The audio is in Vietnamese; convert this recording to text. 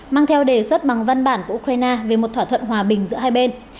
mang theo đề xuất bằng văn bản của ukraine về một thỏa thuận hòa bình giữa hai bên